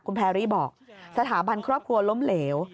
คุณแพรรี่บอกสถาบันครอบครัวล้มเหลว